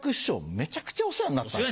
めちゃくちゃお世話になったんですよ。